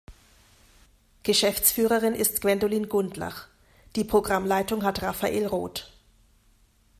Geschäftsführerin ist Gwendolin Gundlach, die Programmleitung hat Raphael Roth.